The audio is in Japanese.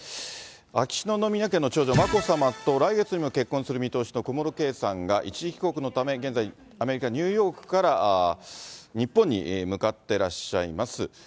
秋篠宮家の長女、眞子さまと来月にも結婚する見通しの小室圭さんが、一時帰国のため、現在、アメリカ・ニューヨークから日本に向かってらっしゃいます。